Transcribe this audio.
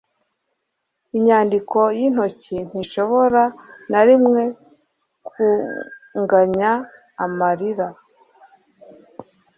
inyandiko y'intoki ntishobora na rimwe kunganya amarira